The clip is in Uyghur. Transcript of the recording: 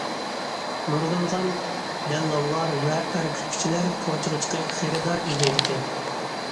نۇرغۇنلىغان دەللاللار ۋە ئەر كۈتكۈچىلەر كوچىغا چىقىپ خېرىدار ئىزدەيدىكەن.